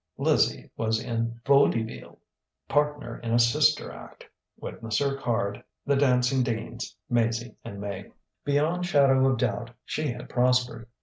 Lizzie was in "vodeveal," partner in a "sister act" witness her card "The Dancing Deans, Maizie & May." Beyond shadow of doubt she had prospered.